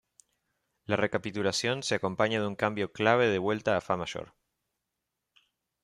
La recapitulación se acompaña de un cambio clave de vuelta a Fa major.